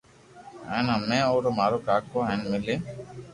ھين اومي مارو ڪاڪو ھين ملين